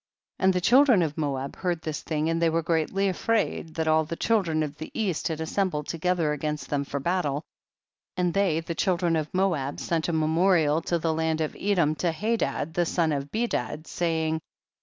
16. And the ciiildren of Moab heard this thing, and they were great ly afraid that all the children of the east had assembled together against them for battle, and they the children of Moab sent a memorial to the land of Edom to Hadad the son of Bedad, saying, 17.